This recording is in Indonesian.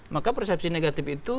maka persepsi negatif itu